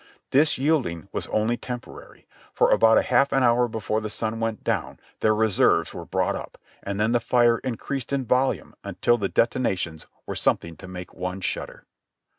This yielding was only tem porary, for about a half an hour before the sun went down their reserves were brought up, and then the fire increased in volume until the detonations were something to make one shudder.